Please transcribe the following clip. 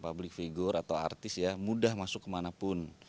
seorang publik figur atau artis ya mudah masuk kemanapun